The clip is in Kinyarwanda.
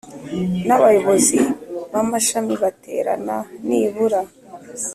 nabayobozi bamashami baterana nibura